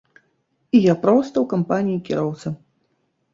І я проста ў кампаніі кіроўца.